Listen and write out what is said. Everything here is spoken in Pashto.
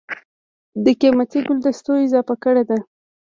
دَ قېمتي ګلدستو اضافه کړې ده